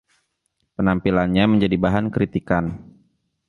Penampilannya menjadi bahan kritikan.